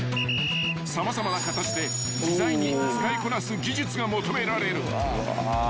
［様々な形で自在に使いこなす技術が求められる］